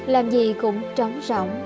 làm gì cũng trống rỗng